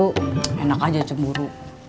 ck enak aja cemburu